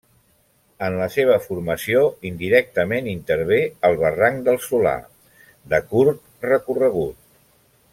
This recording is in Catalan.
En la seva formació indirectament intervé el barranc del Solà, de curt recorregut.